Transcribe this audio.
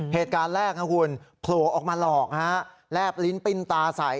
เหตุการณ์แรกนะคุณโผล่ออกมาหลอกฮะแลบลิ้นปิ้นตาใส่